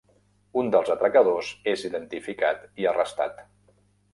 Un dels atracadors és identificat i arrestat.